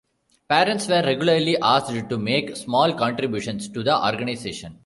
Parents were regularly asked to make small contributions to the organization.